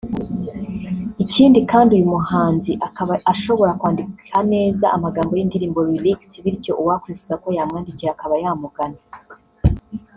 Ikindi kandi uyu muhanzi akaba ashobora kwandika neza amagambo y’indirimbo (Lyrics) bityo uwakwifuza ko yamwandikira akaba yamugana